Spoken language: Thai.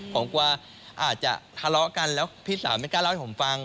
ผมกลัวอาจจะทะเลาะกันแล้วพี่สาวไม่กล้าเล่าให้ผมฟัง